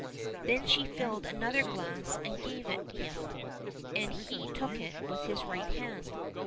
Then she filled another glass and gave it him, and he took it with his right hand.